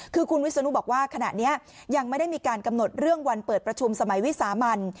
คือคุณวิศนุบอกว่าขณะนี้ยังไม่ได้มีการกำหนดเรื่องวันเปิดประชุมสมัยวิสามัน